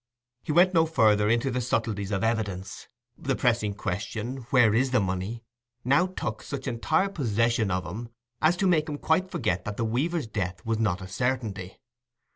_ He went no farther into the subtleties of evidence: the pressing question, "Where is the money?" now took such entire possession of him as to make him quite forget that the weaver's death was not a certainty.